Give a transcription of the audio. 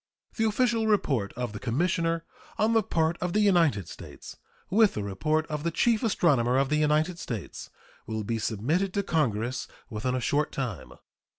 The official report of the commissioner on the part of the United States, with the report of the chief astronomer of the United States, will be submitted to Congress within a short time.